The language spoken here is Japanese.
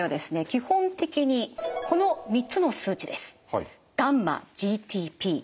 基本的にこの３つの数値です。